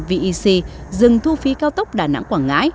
vec dừng thu phí cao tốc đà nẵng quảng ngãi